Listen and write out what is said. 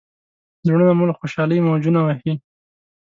زړونه مو له خوشالۍ موجونه وهي.